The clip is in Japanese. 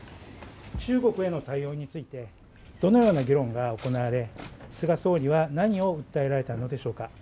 中国への対応についてどのような議論が行われ菅総理は何を訴えられたのでしょうか。